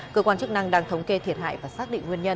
cơ quan chức năng đang thống kê thiệt hại và xác định nguyên nhân